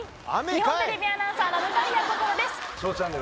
日本テレビアナウンサーの忽滑谷こころです。